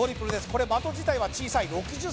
これ的自体は小さい６０ｃｍ